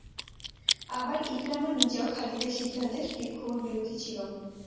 আবার ইকরামা নিজেও খালিদের সিদ্ধান্তের ঘোর বিরোধী ছিল।